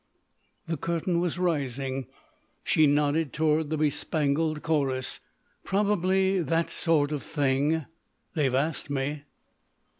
The curtain was rising. She nodded toward the bespangled chorus. "Probably that sort of thing. They've asked me."